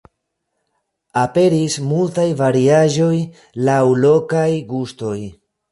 Aperis multaj variaĵoj laŭ lokaj gustoj.